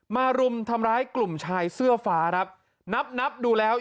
รุมทำร้ายกลุ่มชายเสื้อฟ้าครับนับนับดูแล้ว